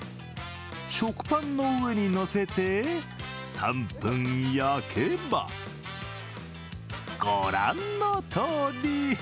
食パンの上に乗せて、３分焼けばご覧のとおり。